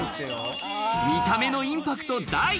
見た目のインパクト大。